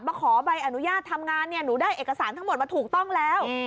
ขอใบอนุญาตทำงานเนี่ยหนูได้เอกสารทั้งหมดมาถูกต้องแล้ว